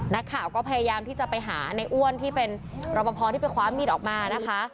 นักข่าวก็พยายามที่จะไปหาในอ้วนที่เป็นรอปภที่ไปคว้ามีดออกมานะคะ